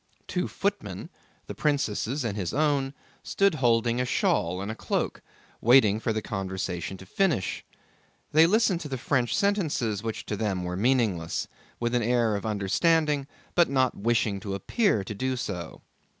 Two footmen, the princess' and his own, stood holding a shawl and a cloak, waiting for the conversation to finish. They listened to the French sentences which to them were meaningless, with an air of understanding but not wishing to appear to do so.